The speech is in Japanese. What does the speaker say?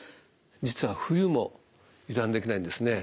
実は冬も油断できないんですね。